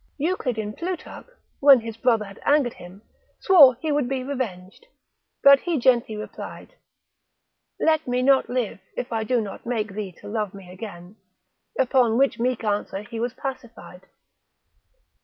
Euclid in Plutarch, when his brother had angered him, swore he would be revenged; but he gently replied, Let me not live if I do not make thee to love me again, upon which meek answer he was pacified.